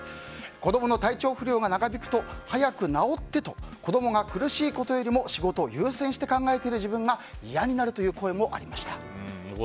子供の体調不良が長引くと早く治ってと子供が苦しいことよりも仕事を優先して考えている自分が嫌になるという声がありました。